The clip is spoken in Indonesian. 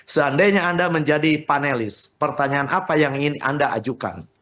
seandainya anda menjadi panelis pertanyaan apa yang ingin anda ajukan